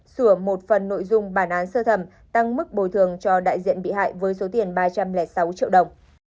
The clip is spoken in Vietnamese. sửa một phần nội dung bản án sơ thẩm tăng mức bồi thường cho đại diện bị hại với số tiền ba trăm linh sáu triệu đồng